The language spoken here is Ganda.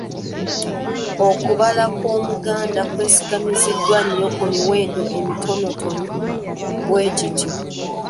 Okubala kw’Omuganda kwesigamiziddwa nnyo ku miwendo emitonoto bwe gityo.